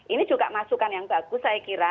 ini juga masukan yang bagus saya kira